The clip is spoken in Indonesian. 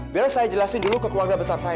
biar saya jelasin dulu ke keluarga besar saya